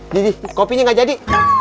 didi kopinya gak jadi